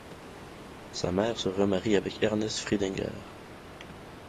Sa mère se remarie avec Ernest Friedinger.